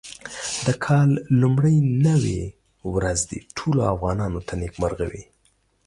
د کال لومړۍ نوې ورځ دې ټولو افغانانو ته نېکمرغه وي.